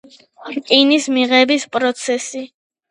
რკინის მიღების პროცესი